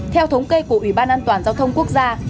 theo thống kê của ủy ban an toàn giao thông quốc gia